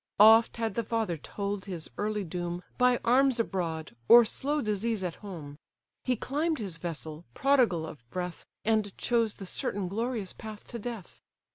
Oft had the father told his early doom, By arms abroad, or slow disease at home: He climb'd his vessel, prodigal of breath, And chose the certain glorious path to death.